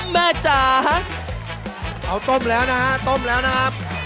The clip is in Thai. แม่จ๋าเขาต้มแล้วนะฮะต้มแล้วนะครับ